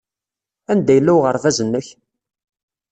Anda yella uɣerbaz-nnek?